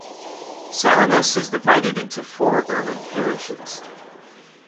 Salinas is divided into four urban parishes.